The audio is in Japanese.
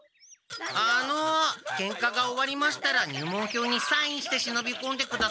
あのケンカが終わりましたら入門票にサインして忍びこんでくださいね。